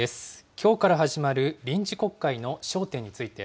きょうから始まる臨時国会の焦点について。